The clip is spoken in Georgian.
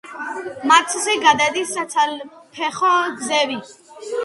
მათზე გადადის საცალფეხო გზები.